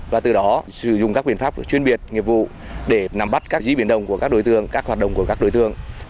và từ đó sử dụng các biện pháp chuyên biệt nghiệp vụ để nằm bắt các dĩ biển đồng của các đối tương các hoạt động của các đối tương